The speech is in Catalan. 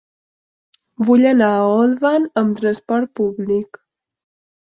Vull anar a Olvan amb trasport públic.